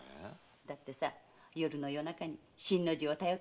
だってさ夜の夜中に新の字を頼って逃げてきたんだろ？